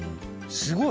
すごい！